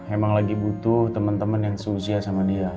emang lagi butuh temen temen yang selusia sama dia